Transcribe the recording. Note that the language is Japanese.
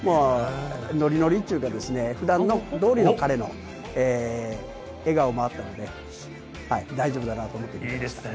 ノリノリというか、普段通りの彼の笑顔もあったので、大丈夫だなと思っています。